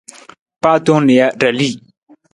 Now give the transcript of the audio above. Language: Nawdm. Paa tong nija, ra li.